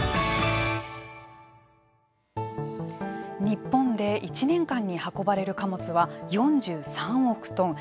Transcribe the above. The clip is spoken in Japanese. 日本で１年間に運ばれる貨物は４３億トン。